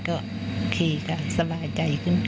ก็สบายใจ